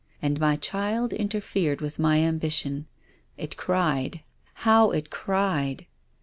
And my child interfered with my ambition. It cried, how it cried